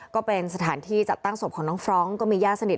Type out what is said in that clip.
ก็เป็นสถานที่จัดตั้งศพของน้องฟรองก์ก็มีญาติสนิท